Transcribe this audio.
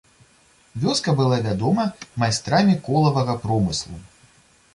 Вёска была вядома майстрамі колавага промыслу.